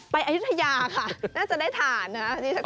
อายุทยาค่ะน่าจะได้ทานนะ